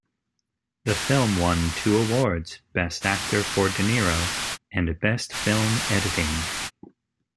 The film won two awards: Best Actor, for De Niro, and Best Film Editing.